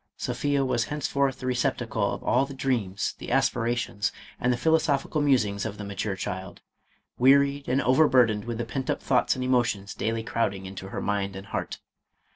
Sophia was henceforth the receptacle of all the dreams, the aspirations, and the philosophical musings of the mature child, wearied and overburdened with the pent up thoughts and emotions daily crowding into her mind and heart.